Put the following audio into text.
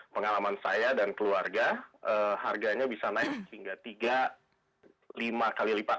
pengalaman saya dan keluarga harganya bisa naik hingga tiga lima kali lipat